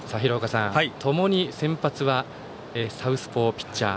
ともに先発はサウスポーピッチャー。